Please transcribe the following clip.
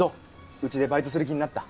うちでバイトする気になった？